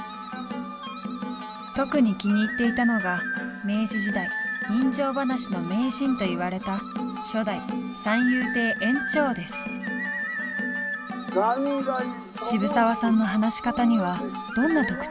特に気に入っていたのが明治時代人情噺の名人といわれた渋沢さんの話し方にはどんな特徴が？